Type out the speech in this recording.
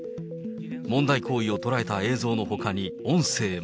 問題行為を捉えた映像のほかに、音声も。